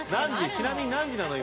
ちなみに何時なの今。